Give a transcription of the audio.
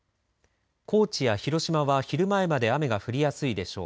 高知や広島は昼前まで雨が降りやすいでしょう。